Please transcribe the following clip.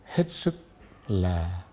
hết sức là